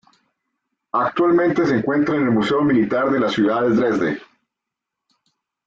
Actualmente se encuentra en el Museo Militar de la ciudad de Dresde.